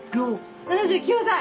７９歳。